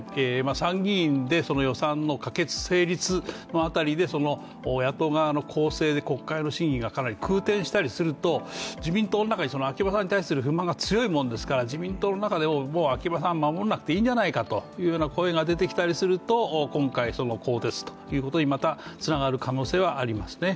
参議院で、予算の可決・成立の辺りで野党側の攻勢で国会の審議が空転したりすると自民党の中に秋葉さんに対する不満が強いものですから自民党の中でも秋葉さんを守らなくてもいいんじゃないかという声が出てきたりすると今回、更迭ということにまたつながる可能性はありますね。